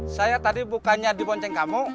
saya tadi bukannya di bonceng kamu